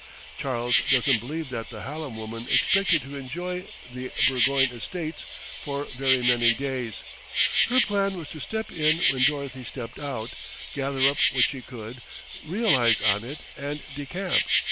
Charles doesn't believe that the Hallam woman expected to enjoy the Burgoyne estates for very many days. Her plan was to step in when Dorothy stepped out, gather up what she could, realize on it, and decamp.